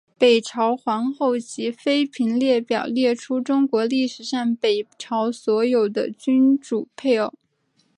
北朝皇后及妃嫔列表列出中国历史上北朝所有的君主配偶。